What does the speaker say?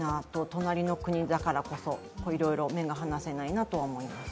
隣の国だからこそいろいろ目が離せないなと思います。